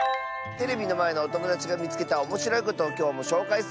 テレビのまえのおともだちがみつけたおもしろいことをきょうもしょうかいするよ！